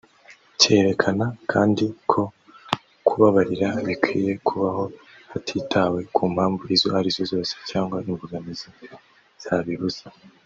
Cyerekana kandi ko kubabarira bikwiye kubaho hatitawe ku mpamvu izo ari zo zose cyangwa imbogamizi zabibuza